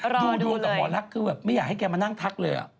ดูดวงกับหมอลักษณ์คือแบบไม่อยากให้แกมานั่งทักเลย